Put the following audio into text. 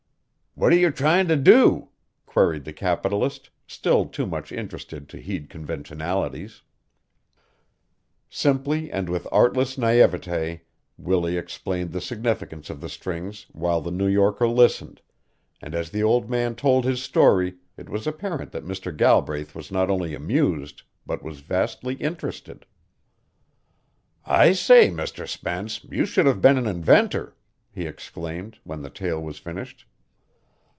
"What are you trying to do?" queried the capitalist, still too much interested to heed conventionalities. Simply and with artless naïvete Willie explained the significance of the strings while the New Yorker listened, and as the old man told his story it was apparent that Mr. Galbraith was not only amused but was vastly interested. "I say, Mr. Spence, you should have been an inventor," he exclaimed, when the tale was finished.